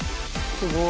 △すごい！）